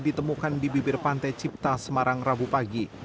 ditemukan di bibir pantai cipta semarang rabu pagi